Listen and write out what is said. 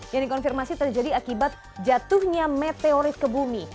yang dikonfirmasi terjadi akibat jatuhnya meteorit ke bumi